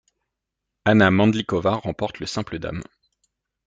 Hana Mandlíková remporte le simple dames.